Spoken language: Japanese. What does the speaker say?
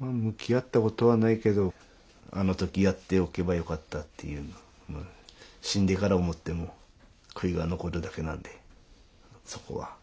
向き合ったことはないけどあの時やっておけばよかったっていうの死んでから思っても悔いが残るだけなんでそこは。